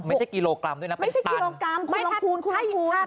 ไม่ใช่กิโลกรัมคุณลองคูณ